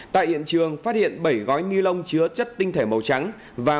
tại hiện trường phát hiện bảy gói nilon chứa chất tinh thể màu trắng và một viên nén